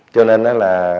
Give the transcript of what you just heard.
cho nên là